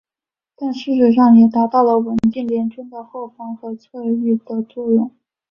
但事实上也达到稳定联军的后方和侧翼的作用。